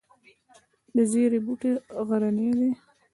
د زیرې بوټی غرنی دی